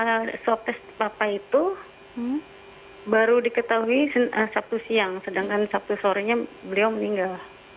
tapi hasil swab test bapak itu baru diketahui sabtu siang sedangkan sabtu sore beliau meninggal